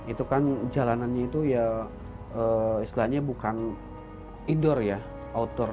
itu kan jalanannya itu ya istilahnya bukan indoor ya outdoor